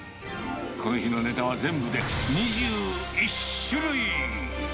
この日のネタは全部で２１種類。